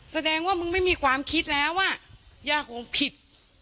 แสดงว่ามึงไม่มีความคิดแล้วอ่ะย่าคงผิด